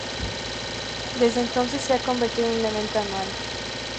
Desde entonces se ha convertido en un evento anual.